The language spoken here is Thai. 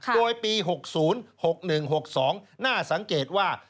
โดยปี๖๐๖๑๖๒น่าสังเกตว่า